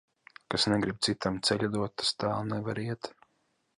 Kas negrib citam ceļu dot, tas tālu nevar iet.